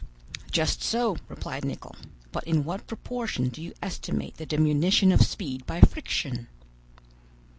"Just so," replied Nicholl; "but in what proportion do you estimate the diminution of speed by friction?"